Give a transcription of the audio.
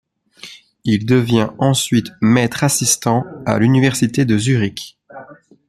Il devient ensuite maître-assistant à l'université de Zurich.